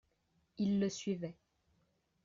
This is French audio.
Ils le suivaient.